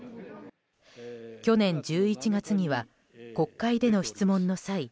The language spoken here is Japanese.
去年１１月には国会での質問の際。